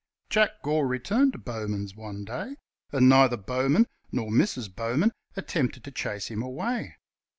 Jack Gore returned to Bowman's one day and neither Bowman nor Mrs. Bowman attempted to chase him away.